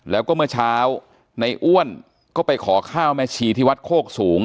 แล้วก็เมื่อเช้าในอ้วนก็ไปขอข้าวแม่ชีที่วัดโคกสูง